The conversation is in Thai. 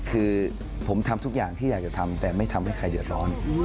คือผมทำทุกอย่างที่อยากจะทำแต่ไม่ทำให้ใครเดือดร้อน